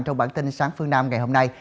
trong bản tin sáng phương nam ngày hôm nay